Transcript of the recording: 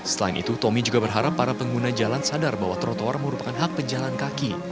selain itu tommy juga berharap para pengguna jalan sadar bahwa trotoar merupakan hak pejalan kaki